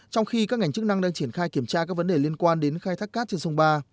trong khi các ngành chức năng đang triển khai kiểm tra các vấn đề liên quan đến khai thác cát trên sông ba